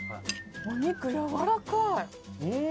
お肉やわらかい。